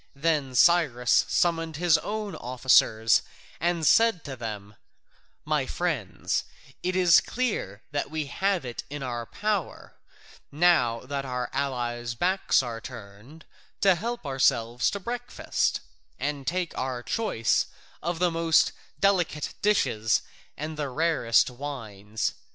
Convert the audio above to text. Then Cyrus summoned his own officers and said to them: "My friends, it is clear that we have it in our power, now that our allies' backs are turned, to help ourselves to breakfast, and take our choice of the most delicate dishes and the rarest wines.